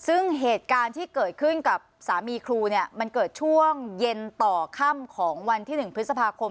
ซึ่งเหตุการณ์ที่เกิดขึ้นกับสามีครูเนี่ยมันเกิดช่วงเย็นต่อค่ำของวันที่๑พฤษภาคม